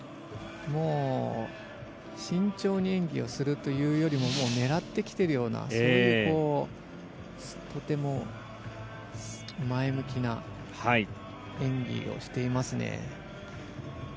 慎重に演技をするというよりも狙ってきてるようなそういうとても前向きな演技をしていますね。